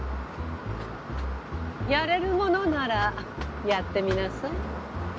やれるものならやってみなさい。